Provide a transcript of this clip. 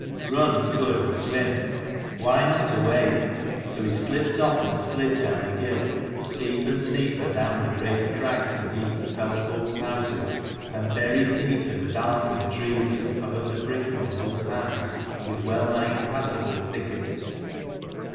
Run he could and swim : why not away ? So he slipped off and slid down the gill, steep and steeper down the great crags beneath the fell folk's houses, and buried deep and dark in trees that covered the brink on both hands with well nigh impassable thickets.